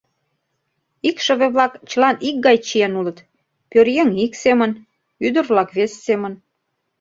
Икшыве-влак чылан икгай чиен улыт: пӧръеҥ ик семын, ӱдыр-влак вес семын.